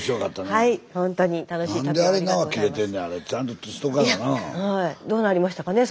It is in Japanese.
はいどうなりましたかね